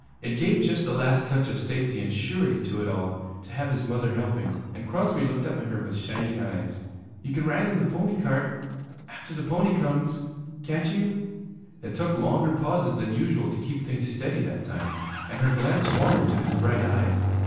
It gave just the last touch of safety and surety to it all to have his mother helping, and Crosby looked up at her with shining eyes. 'You can ride in the pony cart, after the pony comes, can't you?' It took longer pauses than usual to keep things steady that time, and her glance wandered to his bright eyes.